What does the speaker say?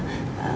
thì cũng có phần